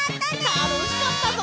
たのしかったぞ！